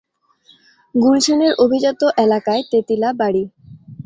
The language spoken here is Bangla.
গুলশানের অভিজাত এলাকায় তেতিলা বাড়ি।